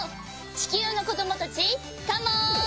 ちきゅうのこどもたちカモン！